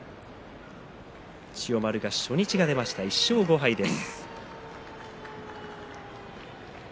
千代丸が初日が出ました１勝５敗です。